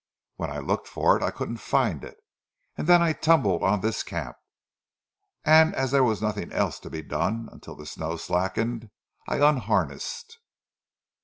When I looked for it I couldn't find it; and then I tumbled on this camp, and as there was nothing else to be done until the snow slackened I unharnessed."